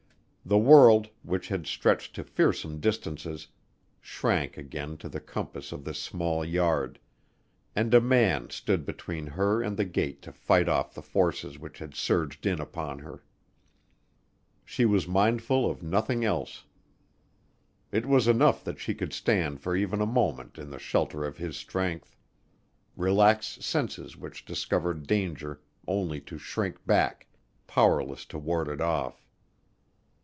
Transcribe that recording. The world, which had stretched to fearsome distances, shrank again to the compass of this small yard, and a man stood between her and the gate to fight off the forces which had surged in upon her. She was mindful of nothing else. It was enough that she could stand for even a moment in the shelter of his strength; relax senses which discovered danger only to shrink back, powerless to ward it off.